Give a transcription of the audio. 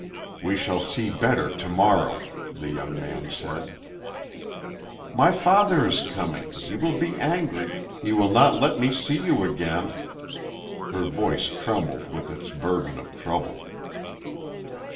"We shall see better to morrow," the young man said. "My father is coming he will be angry he will not let me see you again " Her voice trembled with its burden of trouble.